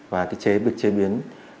và cái chế việc chế biến